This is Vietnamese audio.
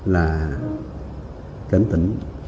là cảnh tỉnh